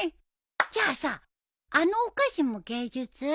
じゃあさあのお菓子も芸術？